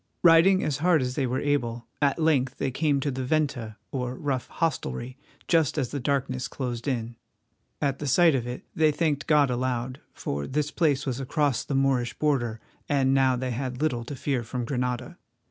Riding as hard as they were able, at length they came to the venta, or rough hostelry, just as the darkness closed in. At the sight of it they thanked God aloud, for this place was across the Moorish border, and now they had little to fear from Granada.